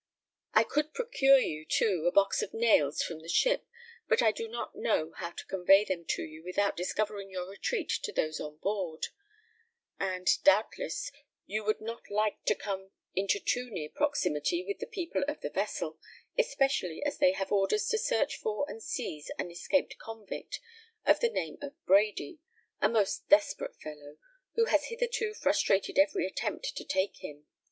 I could procure you, too, a box of nails from the ship; but I do not know how to convey them to you without discovering your retreat to those on board; and, doubtless, you would not like to come into too near proximity with the people of the vessel, especially as they have orders to search for and seize an escaped convict of the name of Brady; a most desperate fellow, who has hitherto frustrated every attempt to take him.